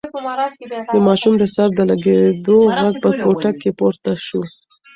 د ماشوم د سر د لگېدو غږ په کوټه کې پورته شو.